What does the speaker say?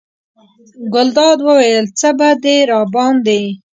ګلداد وویل: څه به دې راباندې.